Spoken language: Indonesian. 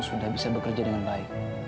sudah bisa bekerja dengan baik